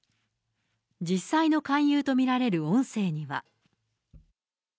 実際の勧誘と見られる音声には。